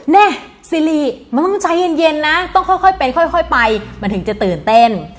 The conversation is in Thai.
นี่ซิริมันต้องใจเย็นนะต้องค่อยเป็นค่อยไปมันถึงจะตื่นเต้น